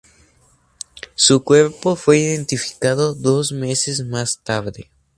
Su cuerpo fue identificado dos meses más tarde.